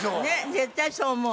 絶対そう思う。